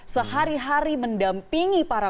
sehari hari mendampingi para